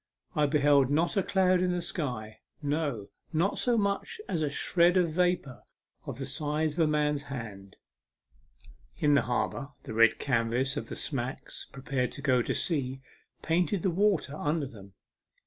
I beheld not a cloud in the sky no, not so much as a shred of vapour of the size of a man's hand. In the harbour the red canvas of smacks preparing to go to sea painted the water under them.